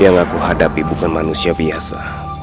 yang aku hadapi bukan manusia biasa